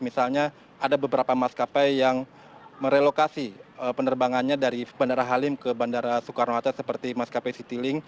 misalnya ada beberapa maskapai yang merelokasi penerbangannya dari bandara halim ke bandara soekarno hatta seperti maskapai citylink